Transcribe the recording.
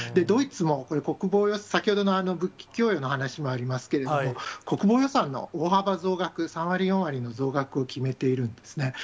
ドイツもこれ、先ほどの武器供与の話もありますけれども、国防予算の大幅増額、３割、４割の増額を決めているんですね。